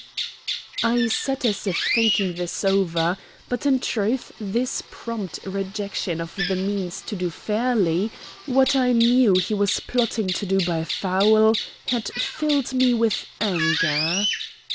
I sat as if thinking this over, but in truth this prompt rejection of the means to do fairly what I knew he was plotting to do by foul had filled me with anger.